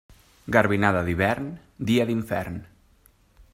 Garbinada d'hivern, dia d'infern.